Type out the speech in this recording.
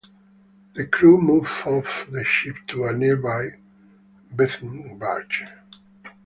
The crew moved off the ship to a nearby berthing barge.